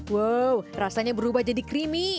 wow rasanya berubah jadi creamy